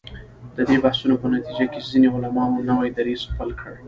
د دې بحثونو په نتیجه کې ځینو علماوو نوی دریځ خپل کړ.